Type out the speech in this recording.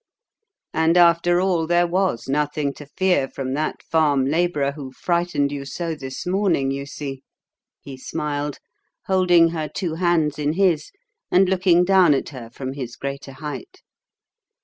"And after all, there was nothing to fear from that farm labourer who frightened you so this morning, you see," he smiled, holding her two hands in his and looking down at her from his greater height.